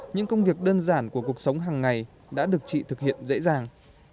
những công việc đơn giản của cuộc sống hàng ngày đã được chị thực hiện dễ dàng